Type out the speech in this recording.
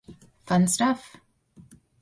Fun stuff.